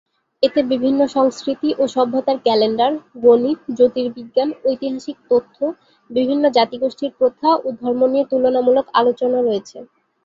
এতে বিভিন্ন সংস্কৃতি ও সভ্যতার ক্যালেন্ডার, গণিত, জ্যোতির্বিজ্ঞান, ঐতিহাসিক তথ্য, বিভিন্ন জাতিগোষ্ঠীর প্রথা ও ধর্ম নিয়ে তুলনামূলক আলোচনা রয়েছে।